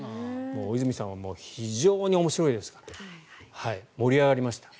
大泉さんは非常に面白いですから盛り上がりました。